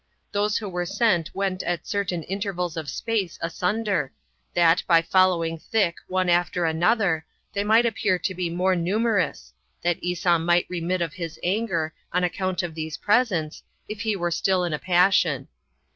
Those who were sent went at certain intervals of space asunder, that, by following thick, one after another, they might appear to be more numerous, that Esau might remit of his anger on account of these presents, if he were still in a passion.